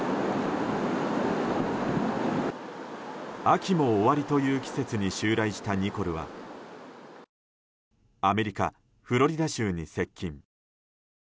秋も終わりという季節に襲来したニコルはアメリカ・フロリダ州に接近。